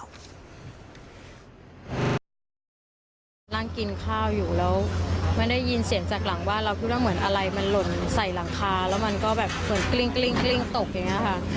นั่งกินข้าวอยู่แล้วไม่ได้ยินเสียงจากหลังบ้านเราคิดว่าเหมือนอะไรมันหล่นใส่หลังคาแล้วมันก็แบบเหมือนกลิ้งตกอย่างนี้ค่ะ